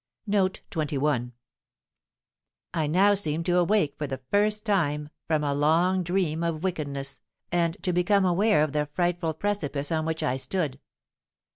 "I now seemed to awake, for the first time, from a long dream of wickedness, and to become aware of the frightful precipice on which I stood.